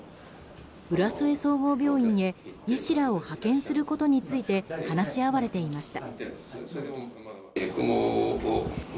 浦添総合病院へ医師らを派遣することについて話し合われていました。